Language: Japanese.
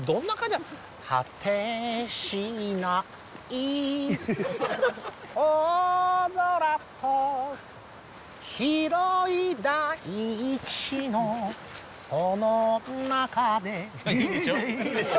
果てしない大空と広い大地のその中でいいでしょいいでしょ。